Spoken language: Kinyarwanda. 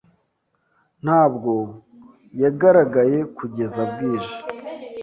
Ntabwo yagaragaye kugeza bwije.